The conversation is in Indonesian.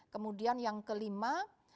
kemudian yang kelima